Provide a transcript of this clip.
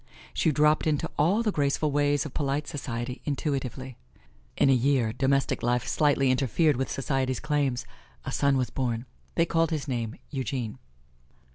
She dropped into all the graceful ways of polite society intuitively. In a year, domestic life slightly interfered with society's claims a son was born. They called his name Eugene.